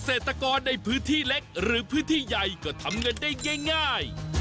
เศรษฐกรในพื้นที่เล็กหรือพื้นที่ใหญ่ก็ทำเงินได้ง่าย